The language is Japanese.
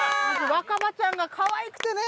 若葉ちゃんがかわいくてね。